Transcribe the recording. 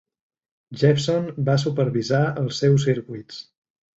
Jeppson va supervisar els seus circuits.